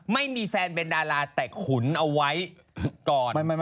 ไม่มีแฟนเป็นดาราแต่ขุนเอาไว้ก่อน